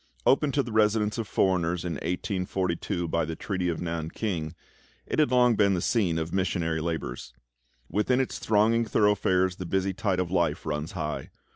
Opened to the residence of foreigners in 1842 by the treaty of Nan king, it had long been the scene of missionary labours. Within its thronging thoroughfares the busy tide of life runs high.